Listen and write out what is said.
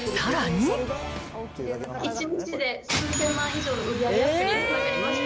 １日で数千万以上の売り上げアップになりました。